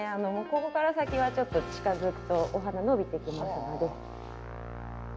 ここから先はちょっと近づくとお鼻伸びてきますので。